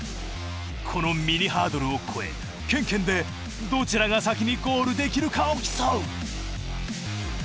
このミニハードルを越えケンケンでどちらが先にゴールできるかを競う。